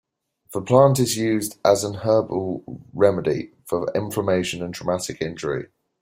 The plant is used as an herbal remedy for inflammation and traumatic injury.